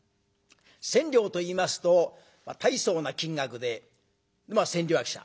千両といいますと大層な金額でまあ千両役者。